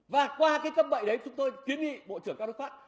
và qua cái cấp bậy đấy chúng tôi kiến nghị bộ trưởng các đức pháp